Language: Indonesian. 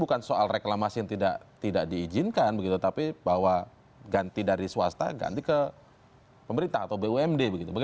karena ada peran sebagai pengawas juga